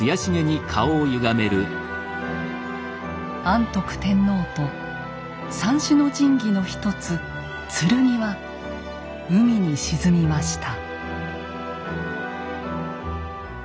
安徳天皇と三種の神器の一つ剣は海に沈みました。